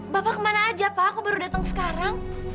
bapak kemana aja pak aku baru datang sekarang